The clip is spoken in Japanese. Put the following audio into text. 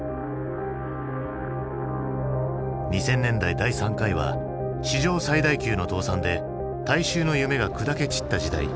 ２０００年代第３回は史上最大級の倒産で大衆の夢が砕け散った時代。